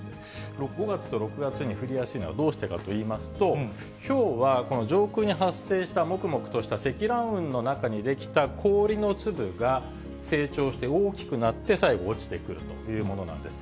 ５月と６月に降りやすいのはどうしてかといいますと、ひょうは、この上空に発生したもくもくとした積乱雲の中に出来た氷の粒が成長して大きくなって、最後落ちてくるというものなんです。